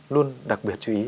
luôn đặc biệt chú ý